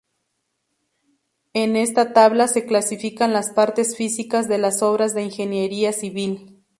En esta tabla se clasifican las partes físicas de las obras de Ingeniería Civil.